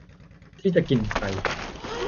ที่จะกินใจ